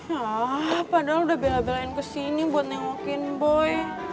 wah padahal udah bela belain kesini buat nengokin boy